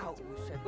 ah usah itu